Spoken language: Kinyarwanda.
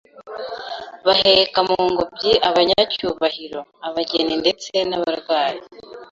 baheka mu ngobyi abanyacyubahiro, abageni ndetse n’abarwayi